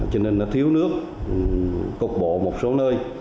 cho nên nó thiếu nước cục bộ một số nơi